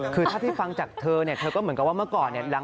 คือถ้าที่ฟังจากเธอเนี่ยเธอก็เหมือนกับว่าเมื่อก่อนเนี่ย